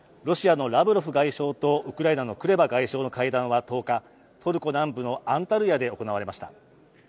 ロシアのラブロフ外相とウクライナのクレバ外相の会談は１０日トルコ南部のアンタルヤで行われました。